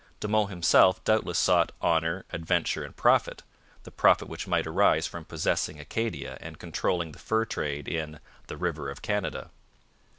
De Monts himself doubtless sought honour, adventure, and profit the profit which might arise from possessing Acadia and controlling the fur trade in 'the river of Canada.'